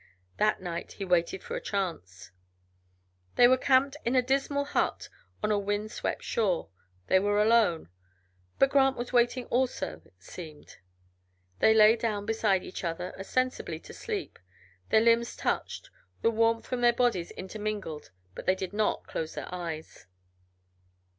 That night he waited for a chance. They were camped in a dismal hut on a wind swept shore; they were alone. But Grant was waiting also, it seemed. They lay down beside each other, ostensibly to sleep; their limbs touched; the warmth from their bodies intermingled, but they did not close their eyes.